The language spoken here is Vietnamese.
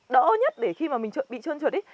đỡ nhất để khi mà mình bị trơn trượt